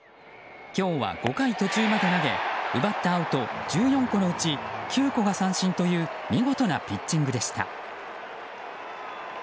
今日は５回途中まで投げ奪ったアウト１４個のうち９個が三振という見事なピッチングでした。